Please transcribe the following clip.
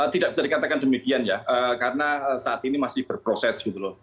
tidak bisa dikatakan demikian ya karena saat ini masih berproses gitu loh